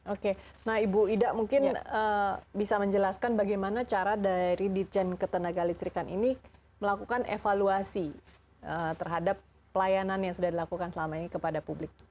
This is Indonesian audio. oke nah ibu ida mungkin bisa menjelaskan bagaimana cara dari ditjen ketenaga listrikan ini melakukan evaluasi terhadap pelayanan yang sudah dilakukan selama ini kepada publik